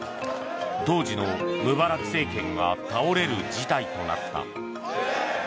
当時のムバラク政権が倒れる事態となった。